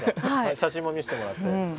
写真も見せてもらって。